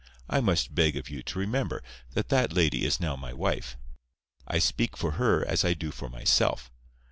I must beg of you to remember that that lady is now my wife. I speak for her as I do for myself.